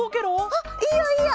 あっいいよいいよ！